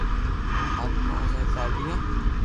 آتمائون ني ڪا ِڍیون